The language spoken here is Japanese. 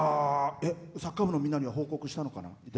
サッカー部のみんなに報告はしたのかな？